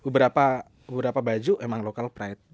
beberapa baju emang local pride